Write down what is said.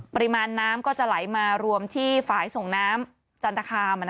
ปริมาณน้ำก็จะไหลมารวมที่ฝ่ายส่งน้ำจันตคาม